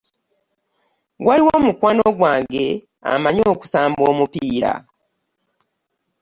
Waliwo mukwano gwange amanyi okusamba omupiira.